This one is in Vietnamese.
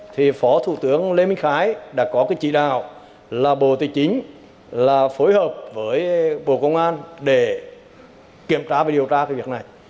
thì phó thủ tướng lê minh khái đã có cái chỉ đạo là bộ tài chính là phối hợp với bộ công an để kiểm tra và điều tra cái việc này